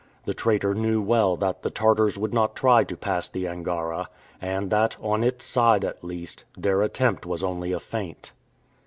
The traitor knew well that the Tartars would not try to pass the Angara, and that, on its side at least, their attempt was only a feint.